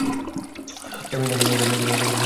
Chaplin তাকে তার সহ-অভিনেতা হিসেবে নির্বাচন করেন।